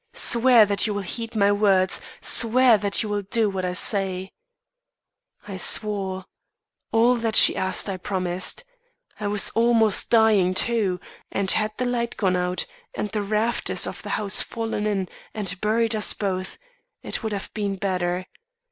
Swear that you will heed my words swear that you will do what I say,' "I swore. All that she asked I promised. I was almost dying, too; and had the light gone out and the rafters of the house fallen in and buried us both, it would have been better.